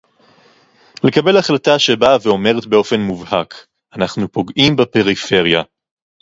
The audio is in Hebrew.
לקבל החלטה שבאה ואומרת באופן מובהק: אנחנו פוגעים בפריפריה